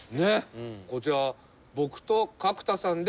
こちら僕と角田さんで。